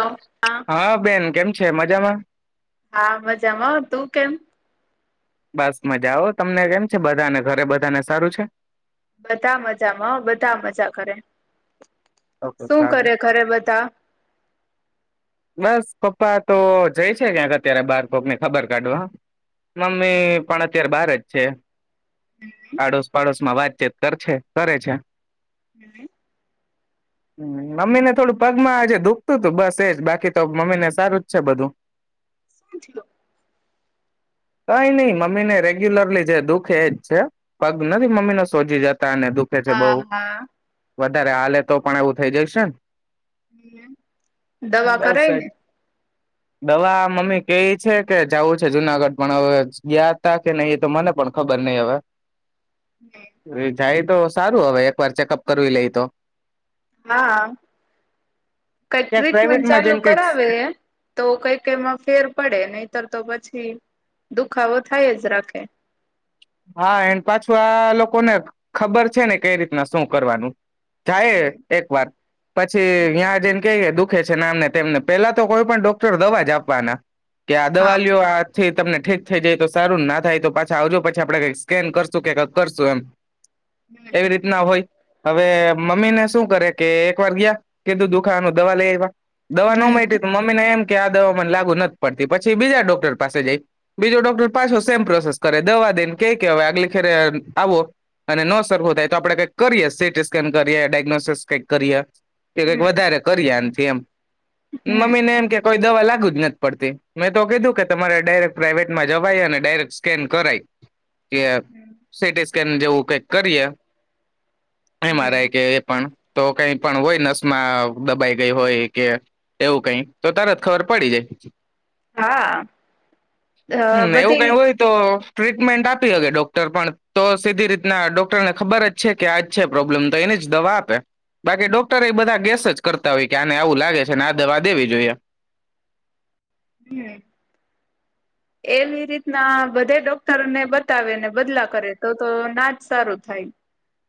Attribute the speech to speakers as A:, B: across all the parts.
A: હા
B: હા બેન કેમ છે મજામાં?
A: હા મજામાં તું કેમ
B: બસ મજાઓ તમને કેમ છે બધાને ઘરે બધાને સારું છે?
A: બધા મજામાં બધાં મજા કરે.
B: ઓકે
A: શું
B: સારું
A: કરે ઘરે બધાં?
B: બસ પપ્પા તો જઈ છે ક્યાંક અત્યારે બાર કોકની ખબર કાઢવા. મમ્મી પણ અત્યારે બાર જ. છે. પાડોશ પાડોશ માં વાતચીત કર છે કરે છે.
A: હમ.
B: હમ મમ્મીને તો થોડું પગમાં આજે દુખતુંતું બસ એજ બાકી તો મમ્મીને સારું જ છે બધું.
A: પૂછીલો.
B: કઈ ની મમ્મીને રેગ્યુલરલી જે દુઃખે એજ છે, હ પગ નથી મમ્મીને સોજી જતો તને દુઃખે છે બહુ.
A: હા હા
B: વધારે હાલે તો પણ એવું થઈ જઈશે ને.
A: કેમ? દવા
B: બસ
A: કરાય
B: એજ
A: ને.
B: દવા મમ્મી કેઈ છે કે જવું છે જુનાગઢ પણ હવે ગયા ત કે નહી તો મને પણ ખબર નહી હવે.
A: [unintelligible]
B: જાય તો સારું હવે એક વાર ચેકઅપ કરવી લઈ તો.
A: હા, કાંઈક
B: ક્યાંક
A: ટ્રીટમેન્ટ
B: પ્રાાઈવેટમાં
A: ચાલુ
B: જઈને કઈક
A: કરાવે, તો કઈકમાં ફેર પડે નહીતર તો પછી દુખાવો થાય જ રાખે.
B: હા એને પાછું આ લોકોને ખબર છે ને કઈ રીતના શું કરવાનું? જાય
A: હમ
B: એક વાર પછી
A: હમ
B: ન્યાં જેને કે દુખ છેમને તેમને પેલા તો કોઈ પણ ડોક્ટર દવા જ આપવાના. કે આ
A: હા
B: દવા લીઓ આ થી તમને ઠીક થઈ જાય તો સારું ના થાય તો પાછા આવજો પછી પ આપણે કઈ સ્કેન કરશું કે કરશું એમ.
A: હમ
B: એવી રીતના હોય. હવે મમ્મી ને શું કરે કે એક વાર ગયા, કીધું દુખાવાનું દવા લઈવા દવા ન
A: હમ
B: મળતી મમ્મી ને એમ કે આ દવા લાગુ નથી પડતી પછી બીજા ડોક્ટર પાસે જઈ, બીજો ડોક્ટર પાછો સેમ પ્રોસેસ કરે દવા દે ક હવે આગલી ખેરે આવો, અને ન સરખો થાય તો આપડે કઈક કરીએ સીટી સ્કેન કરીએ ડાયગ્નોસસ કઈક કરીએ. કે કઈક
A: હમ
B: વધારે કરીએથી એમ.
A: હમ
B: મમ્મી ને એમ કે કોઈ દવા લાગુ જ નથી પડતી મેં તો કીધું કે તમારે ડાયરેક્ટ પ્રાઇવેટમાં જવાય અને ડાયરેક્ટ સ્કેન કરાય. કે
A: હમ
B: સીટી સ્કેન જેવું કઈક કરીએ
A: હમ
B: એમઆરઆઈ કે એ પણ. તો કઈ પણ હોય નસમાં દબાઈ ગઈ હોય કે એવું કઈ તો તરત ખબર પડી જાય.
A: હા અ
B: હમ્મ એવું
A: બધી
B: કઈ હોય તો ટ્રીટમેન્ટ આપી હકે ડોક્ટર પણ તો સીધી રીતના ડોક્ટરને ખબર જ છે કે આજ છે પ્રોબ્લેમ તો એની જ દવા આપે. બાકી ડોક્ટર એ બધા ગેસ જ કરતા હોય કે આને આવું લાગે છે ને આ દવા દેવી જોઈએ.
A: હમ્મ એવી રીતના બધે ડોક્ટરોને બતાવે ને બદલા કરે તો તો નાજ સારું થાય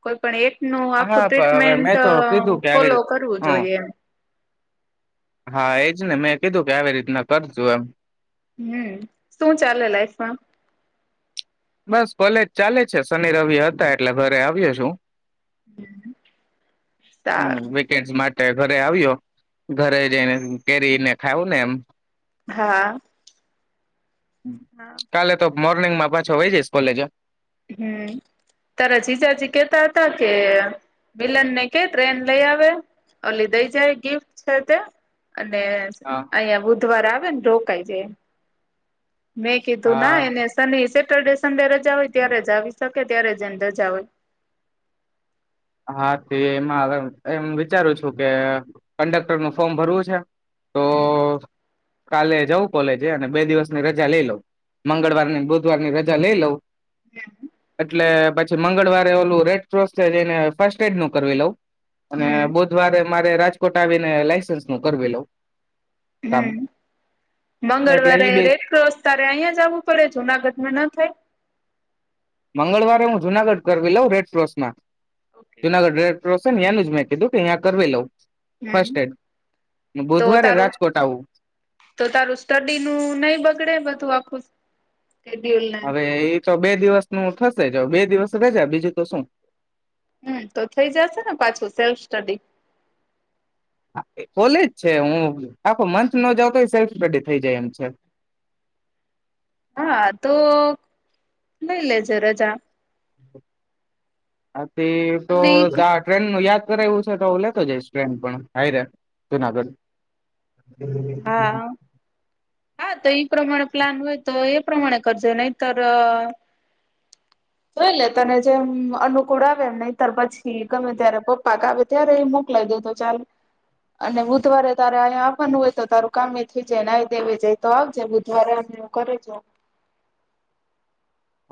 A: કોઈ પણ એક નું આખું
B: હા પણ હવે
A: ટ્રીટમેન્ટ
B: મેં તો કીધું કે આવી
A: ફોલો
B: રીતે
A: કરવું
B: હમ
A: જોઈએમ.
B: હા એજ ને મેં કીધું કે આવી રીતના કરજું એમ.
A: હમ્મ શું ચાલે લાાઈફમાં
B: બસ કોલેજ ચાલે છે શનિ રવિ હતા એટલે ઘરે આવી્યો છું. હ
A: સારું
B: વેકેશન માટે. ઘરે આવ્યો ઘરે જઈને કેરી ને ખાઉ ને એમ.
A: હા.
B: કાલે તો. મોર્નિંગ માં પાછો વયો જઈશ કોલેજ.
A: હમ્મ ‌‌ તારા જીજાજી કેતા હતા કે મિલન ને કે ટ્રેન લઈ આવે ઓલી દઈ જાય ગિફ્ટ છે. તે અને
B: હા
A: અહિયા બુધવાર આવે ને તૂ. રોકાયજે મેં કીધું ના
B: હા
A: એને શનિ સે. સન્ડે રજા હોય. ત્યારે જ આવી શકે ત્યારે જ એને રજા હોય.
B: હા, તે એમાં એમ વિચારું છું. કે કંડક્ટર નું ફોર્મ ભરવું છે. તો
A: હમ્મ
B: કાલે જવું કોલેજે અને બે દિવસની રજા લઈ મંગળવાર ની બુધવાર ની રજા લઈ લઉં. એટલે. પછી મંગળવારે ઓલું રેડ કૌસ જરીને ફર્સ્ટ એડ નુ કરવી લઉં અને
A: હમ
B: બુધવારે. મારે રાજકોટ આવીને લાઈસન્સ નું કરવી લઉ.
A: હમ્મ
B: એટલે
A: મંગળવારે
B: ઈ બે
A: રેડ ક્રોસ તારે અહીંયા જ આવવું પડે જુનાગઢમાં ન થાય
B: મંગળવારે હું, જુનાગઢ કરવી લઉં રેડ ક્રોસ માં.
A: ઓકે
B: જુનાગઢ રેડ કૌંસ. [unintelligible] એનું જ મેં કીધું કે અહિયા મેં કરવી લઉં
A: હમ,
B: ફર્સ્ટ એડ
A: તો
B: બુધવારે
A: તારું
B: રાજકોટ આવું
A: તો તારું સ્ટડી નું નહી બગડે બધું આખું. શેડ્યુલ ને
B: હવે એ તો બે દિવસ નું થ જ બે દિવસ રજા બીજું તો શું‌
A: હમ, તો થઈ જશે ને પાછું સેલ્ફ સ્ટડી
B: કોલેજ છે. હું આખો મંથ ન જાવ તો સેલ્ફ સ્ટડી થઈ જાય એમ છે.
A: હા તો લઈ લે જે રજા.
B: હ. તે તો
A: અને એક
B: ટ્રેન નું યાદ રહે એવું છે. તો હું લેતો જઈશ ટ્રેન માં પણ હારે જુનાગઢ.
A: હા હા તો ઈ પ્રમાણે પ્લાન હોય તો એ. પ્રમાણે કરજો નહીતર તો એ તને જેમ અનુકૂળ આવે એમ નહીતર પછી ગમે ત્યારે પપ્પા કે આવે ત્યારે એ મોકલાય દે તો ચાલ અને બુધવારે તારે અહીયા. આપવાનું હોય. તો તારું કામ એ થઈ જાય નહી દેવાય જાય તો આવજે બુધવારે હું ઘરે જ હોવ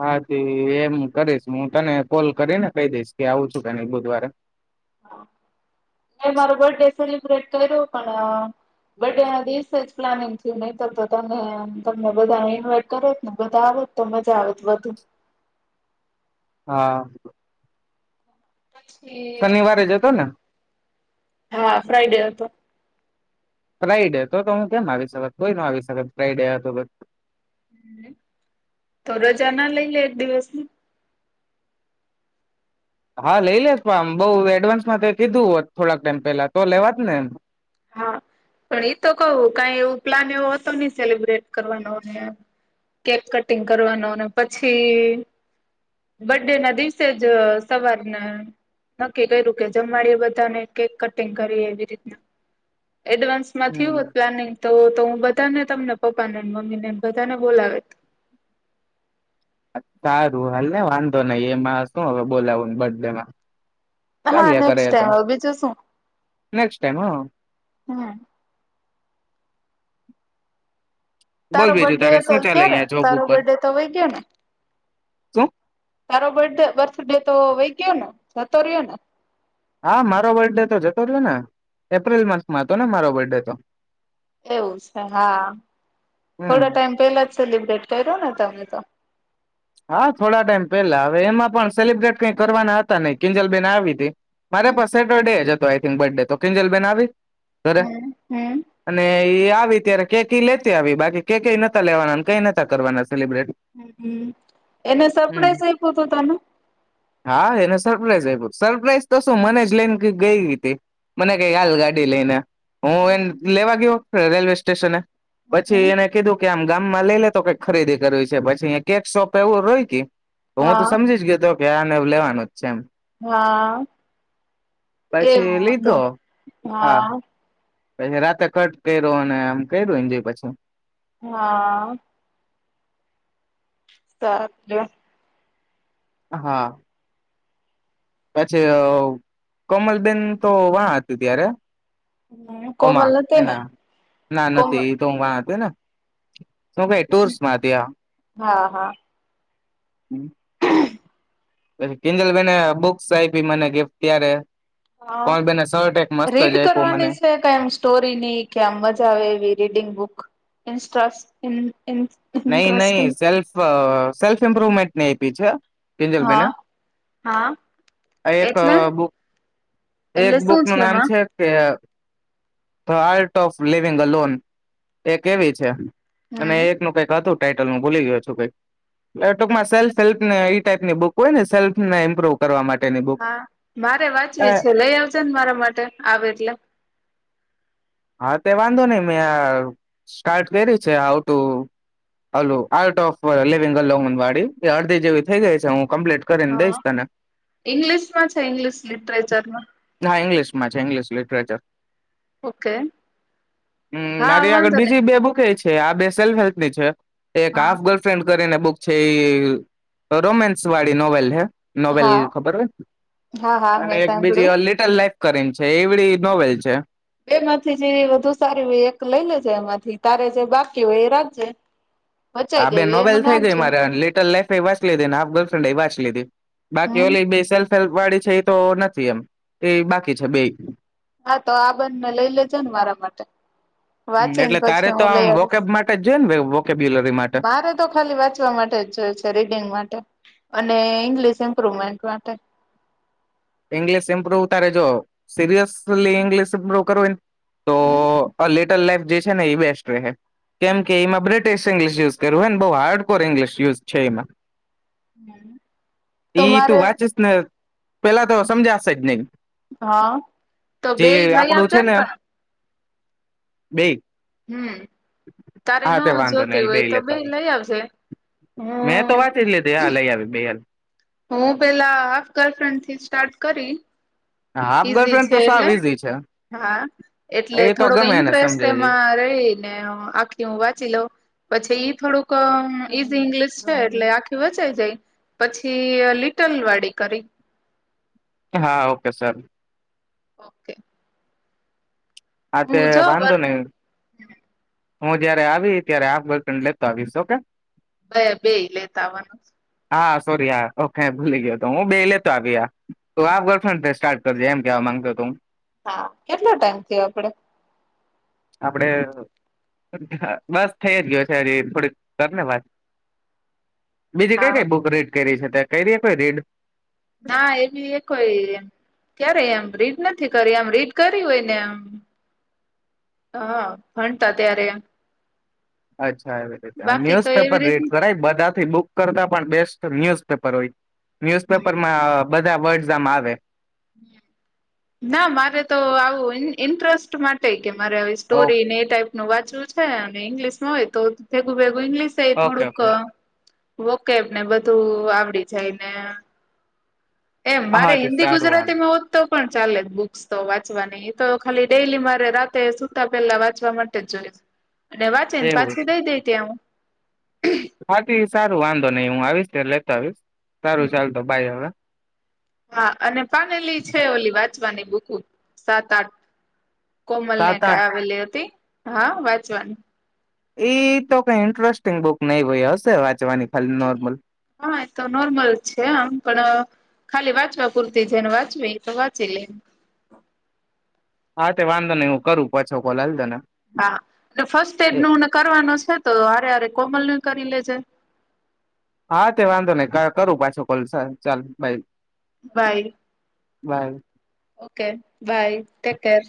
B: હાથી એમ કરીશ હું તને કોલ કરીને કહી દઈશ કે આવું છું કે નઈ બુધવારે
A: મે મારો બર્થ ડે સેલિબ્રેટ કર્યો પણ બથૅ ડે ના દિવસે જ પ્લાનિંગ થયું નહી તો તમે તમને બધાને ઇન્વાઈટ કરત ને બધા આવોત તો મજા આવેત વધુ.
B: હા.
A: પછી
B: શનિવારે જતો ને.
A: હા, ફ્રાઈડે હતો.
B: ફ્રાઈડે હતો તો હું કેમ આવી શકેત, કોઈ ન આવી શકત ફ્રાઈડે તો બસ
A: તો રજા ના લઈ લે એક દિવસની.
B: હા, લઈ લેત પણ આમ બઉુ એડવાન્સમાં કંઈક દીધુ હોત. થોડાક ટાઈમ પેલા તો લેવાત ને
A: હા, પણ ઈ તો કહું કાઈ એવું પ્લાન એવો હતો નહી સેલિબ્રેટ કરવાનો ને કેક કટિંગ કરવાનો ને પછી બર્થડેના દિવસે જ સવારને નક્કી કર્યું કે, જમવાડીએ બધાને કેક કટિંગ કરી એવી રીતના એડવાન્સમાં થયું
B: હમ
A: હોત પ્લાનિંગ તો, તો હું બધાને તમને પપ્પા ને મમ્મી ને બધાને બોલાવત
B: સારું હાલને વાંધો નઈ એમાં શું હવે બોલાવુંને બર્થડેમાં.
A: હા નેક્સ્ટ ટાઈમ હવે બીજું શું?
B: નેક્સ્ટ ટાઈમ હ
A: હહમ્મ
B: બોલ
A: તારો
B: બીજું
A: બર્થડે
B: તારે
A: તો
B: શું ચાલે
A: ક્યારે,
B: અહિયાં જોબ
A: તારો બર્થડે તો વહી ગયો ને.
B: શુ
A: તારો બર્થ બર્થડે તો વહી ગયો ને જતો રહ્યો ને
B: હા, મારો બર્થડે તો જતો રહયો ને, એપ્રિલ મન્થ માં હતો ને મારો બર્થડે તો.
A: એવું છે હા, થોડા
B: હમ
A: ટાઈમ પેલા જ સેલિબ્રેટ કર્યો ને તમે તો
B: હા, થોડા ટાઈમ પેલા હવે એમાં પણ સેલિબ્રેટ કઈ કરવાના હતા ને કિંજલ બેેન આવી હતી. મારે
A: હમ
B: પણ સેટરડે હતો તો આયથીગ બર્થડે તો કિંજલ બેન આવી. ઘરે
A: હમ હમ.
B: અને એ આવે ત્યારે કેક એ લેતી આવે. બાકી કેક નતા લેવાના, કઈ નતા કરવાના સેલિબ્રેટ.
A: હમ, એને
B: હમ.
A: સરપ્રાઈઝ આપ્યું તું તને?
B: હા, એને સરપ્રાઈઝ આપ્યો. સરપ્રાઈઇઝ તો શું મને જ લઈને ગઈ તી. મને કઈ હાલ ગાડી લઈને. હું એન
A: હ
B: લેવા ગયો. રેલ્વે સ્ટેશને પછી
A: હમ
B: એને કીધું કે આમ ગામમાં લઈ લે તો કઈ ખરીદી કરવી છે. પછી કેક સોપ એવું રોયકી હું તો
A: હા
B: સમજી જ ગયો તો કે આને અવ લેવાનું
A: હા,
B: પછી
A: એવું હતું હા
B: પહી રાતે કટ કર્યોને આમ કર્યો એન્જોય પછી
A: હા શાક જો
B: હા પછી કોમલબેન તો વા હતું ત્યારે
A: હમ
B: એમાં
A: કોમલ નથી ને
B: એના ના
A: કોમલ
B: નતી એ તો વા એને શું કઈ ટૂર્સમાધ્યા.
A: હા હા
B: [inaudible] પહી કિંજલબેેને બુક્સ આપી. મને ગિફ્ટ ત્યારે
A: હન
B: કોણબેને શર્ટ એક મસ્ત
A: રીડ
B: જ આપ્યો મને
A: કરવાની છે. કઈમ સ્ટોરીની કે આમ મજા આવે એવી રીડિંગ બુક ચસ ઉન
B: નઈ નઈ સેલ્ફ સેલ્ફ ઈમ્પ્રુવમેન્ટની આપી છે અ. કિંજલબેને
A: હા હા
B: અ એક
A: એટલે
B: બુક એક
A: એટલે શું
B: બુકનું નામ
A: એમાં
B: છે કે the the art of living alone એ કેવી છે. અને
A: હમ
B: એક નું કઈક હતું ટાઈટલ હુ ભૂલી ગયો છું કઈ એ ટૂંકમાં સેલ્ફ સેલ્ફને એ ટાઈપની બુક હોય ને સેલ્ફને ઇમ્પ્રુવ કરવા માટે
A: હા, મારે વાંચવી છે. લઈ આવજ સેજ મારા માટે આવ એટલે
B: હા તે વાંધો નહી મેં સ્ટાર્ટ કરી છે આવતું આલો આર્ટ ઓફ લિંગવાડી અડધી જેવી થઇ ગઈ છે હું કમ્પ્લીટ કરીને
A: હા
B: દઈશ તને
A: ઈંગ્લિશ માં છે ઇંગ્લિશ લિટરેચરમાં.
B: હાઇ્લિશ માં ઇંગ્લિશ લિટરેચર.
A: ઓકે
B: હમ
A: હા
B: મારી આગળ
A: વાંધો ને
B: બીજી બે ભુ કે છે. છે આ બે સેલ્ફ હેલ્થ ની છે. એક
A: હા
B: હાફ ગર્લફ્રેન્ડ. કરીને બુક છે એ રોમેન્સ વાળી નોવેલ હે. નોવેલ
A: હા
B: ખબર હો
A: હા હા
B: અને
A: મેં સાંભળ્યું
B: બીજી લિટલ લાઈફ કરીને છે એવડી નોવેલ છે.
A: બેમાંથી જે બધું સારી હોય એક લઈ લેજે એમાંથી તારે જે બાકી હોય એ રાકજે
B: આ બે નોવેલ થઈ ગઈ મારે લિટલ લાઈફ એ વાંચ લીધી હાફ ગર્લફ્રેન્ડ એ વાંચ લીધી બાકી
A: હમ
B: ઓલી બે સેલ્ વાળી છે એ તો નથી એમ એ બાકી છે બે.
A: હા તો આ બંને લઈ લેજે ને મારા માટે.
B: હમ
A: વાંચીને
B: એટલે તારે
A: પછી
B: તો
A: હું લઈ
B: આમ
A: આવીશ
B: વોકેબ માટે જ જોઈએ ને વોકેબ્યુલરી માટે
A: મારે તો ખાલી વાંચવા માટે જ જોય છે રીડિંગ માટે. અને ઇંગ્લિશ ઇમ્પ્રુવમેન્ટ માટે.
B: ઇંગ્લિશ ઇમપ્રુવ તારે જો સિરિયસલી ઇંગ્લિશ ઇ્પ્રુવ કરવું હોય. તો
A: હમ
B: અ લેટ ટલ લાઈફ જે છે ને એ બેસ્ટ રહે કેમ કે એમાં બ્રિટિશ ઇંગ્લિશ કરવાં બો હાર્ડ કોર ઇંગલિશ યુઝ છે એમાં
A: તો
B: ઈ તું
A: મારે
B: વાંચસ ને પેલા તો સમજાશે જ
A: હા તો બે
B: નહી જે
A: લઈ
B: આપડું
A: આવજે
B: છે ને
A: પણ
B: બે
A: હમ તારે ન
B: વાંધો
A: જોતી
B: નઈ
A: હોય
B: બેય
A: તો બે
B: લેતા આવીએ.
A: લઈ આવજે
B: મેં તો
A: હમ
B: વાંચી જ લીધી હા લઈ આવી બે હાલ
A: હું પેલા હાફ ગર્લફ્રેન્ડ થી સ્ટાર્ટ કરી
B: હાફ
A: ઈઝી
B: ગર્લફ્રેન્ડ
A: છે
B: તો સાવ
A: એટલે
B: ઈઝી છે
A: હા એટલે
B: એ તો
A: થોડોક
B: ગમે એને
A: ઇન્ટરેસ્ટ
B: સમજેલી
A: એમાં રહીને આખી હું વાંચી લઉં પછી ઈ થોડુંક ક ઈઝી ઇંગ્લિશ છે એટલે આખી વચાઈ જાય. પછ થી લિટલ વાડી કરી.
B: હા ઓકે સર.
A: ઓકે.
B: હા તે
A: હું જો
B: વાંધો
A: વર્ક
B: નહી હું જયારે આવી ત્યારે હાફ ગર્લફ્રેન્ડ લેતો આવીશ ઓકે.
A: બે બે લેતા આવાનું.
B: હા સોરી હા ઓકે ભૂલી ગયો તો હું બે લેતો આવિયા તો હાફ ગર્લફ્રેડથી સ્ટાર્ટ કરજે એમ કેવા માંગતો હું.
A: હા કેટલો ટાઈમ થયો આપડે.
B: આપડે બસ થઈ જ ગયો છે હજી થોડીક કરને વાત. બીજી કઈ
A: હા
B: કઈ બુક રેટ કરી છે? તે કઈ રિયે કોઈ રીડ?
A: ના એ બી એ કોઈ ક્યારે એમ રીડ નથી કરી આમ રીડ કરી હોયને આમ. હાઆ ભણતા ત્યારે
B: હજ [inaudible]
A: બાકી તો
B: ન્યુઝપેપર
A: એવી
B: રીડ
A: રીત
B: કરાય બધાથી બુક કરતા પણ બેસ્ટ ન્યુઝપેપર હોય. ન્યુઝ પેપરમાં આ બધા વર્ડસ આમ આવે.
A: ના મારે તો આવું ઈન-ઇન્ટરેસ્ટ માટેએ કે મારે આવી
B: ઓ
A: સ્ટોરી ને એ ટાઈપ નું વાંચવું છે અને ઇંગ્લિશમાં હોય તો તેવું ભેગું તો ઇંગ્લીસ એ
B: ઓકે
A: થોડુંક
B: ઓકે
A: વોકેબને બધું આવડી જાય ને. એમ મારે
B: હા તે
A: હિન્દી
B: સારું વાંધો
A: ગુજરાતીમાં હોત તો પણ ચાલે બુક્સ તો વાચવાની. એતો ખાલી ડેલી મારે રાતે સુતા પહેલા વાંચવા માટે જ જોએજ. અને વાંચી ને
B: એવું
A: પાછી
B: છે
A: દઈ દઈ ત્યાં હું.
B: હા તે સારું વાંધો નઈ હું આવીશ ત્યારે લેતો આવીશ. સારું ચાલ તો બાઈ હવે.
A: હા અને પાનેલી છે ઓલી વાત ચવાની બૂકુ સાત આઠ કોમલને
B: સાત આઠ
A: કાવ વલેતી. હા વાંચવાન.
B: એ તો કઈ ઇન્ટરેસ્ટિંગ બુક નહી ભય હશે વાત
A: એ હા એ તો નોર્મલ છે આમ પણ અહ ખાલી વાંચવા પૂરતી જેને વાંચવી તો વાંચી લે
B: હા, તે વાંધો નહી હું કરું પાછો કોલ આલ દે ને.
A: હા અને ફર્સ્ટએડનું નકરવાનું છે તો આરે આરે કોમલ ને કરી લે જે.
B: હા, તે વાંધો નહી ક કરું પાછો કોલ છ ચાલ bye.
A: Bye.
B: Bye.
A: Okay bye take care.